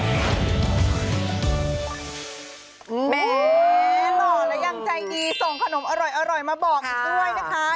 แหมหล่อแล้วยังใจดีส่งขนมอร่อยมาบอกอีกด้วยนะคะ